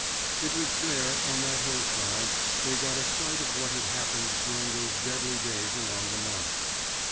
It was there, on that hillside, they got a sight of what had happened during those deadly days along the Marne.